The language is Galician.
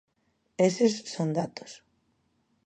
Eses son datos.